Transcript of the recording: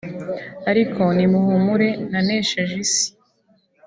ariko nimuhumure nanesheje isi